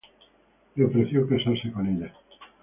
Le ofreció casarse con ella.